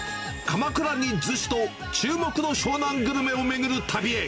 鎌倉に逗子と、注目の湘南グルメを巡る旅へ。